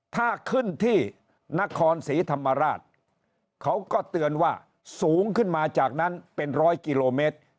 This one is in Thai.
ถ้าขึ้นที่นครศรีธรรมราชเขาก็เตือนว่าสูงขึ้นมาจากนั้นเป็นร้อยกิโลเมตร